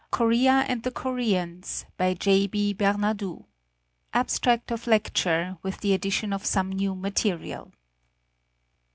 4. KOREA AND THE KOREANS. By J. B. BERNADOU. (Abstract of lecture, with the addition of some new material.)